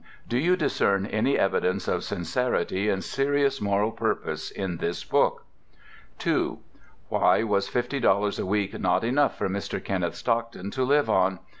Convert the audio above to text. Do you discern any evidences of sincerity and serious moral purpose in this book? 2. Why was fifty dollars a week not enough for Mr. Kenneth Stockton to live on?